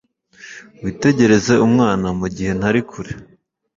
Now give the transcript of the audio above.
Witegereze umwana mugihe ntari kure.